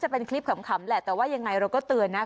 จะถือนถึงเกิดแปลกน้า